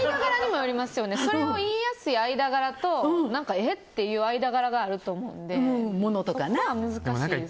それを言いやすい間柄とえっていう間柄があると思うんでそこは難しい。